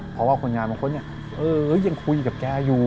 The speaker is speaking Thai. เพราะว่าคนงานบางคนยังคุยกับแกอยู่